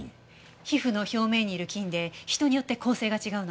皮膚の表面にいる菌で人によって構成が違うの。